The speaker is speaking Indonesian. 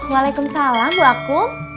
waalaikumsalam bu akum